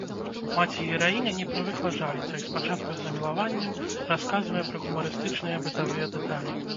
Маці-гераіня не прывыкла жаліцца і спачатку з замілаваннем расказвае пра гумарыстычныя бытавыя дэталі.